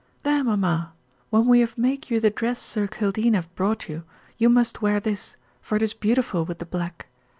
"There, mamma, when we have make you the dress Sir Kildene have brought you, you must wear this, for it is beautiful with the black.